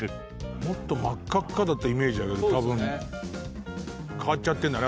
もっと真っ赤っかだったイメージだけど多分変わっちゃってるんだね頭の中で。